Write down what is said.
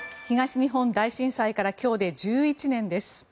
東日本大震災から今日で１１年です。